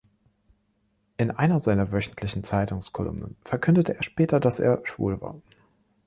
In einer seiner wöchentlichen Zeitungskolumnen verkündete er später, dass er schwul war.